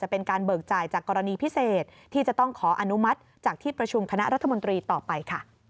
โปรดติดตามตอนต่อไป